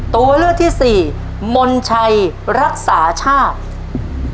ตัวเลือกที่สี่มนชัยรักษาชาติ